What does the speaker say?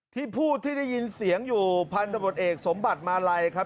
ที่พูดที่ได้ยินเสียงอยู่พันธบทเอกสมบัติมาลัยครับ